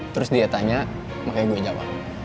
terus dia tanya makanya gue jawab